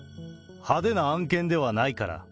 派手な案件ではないから。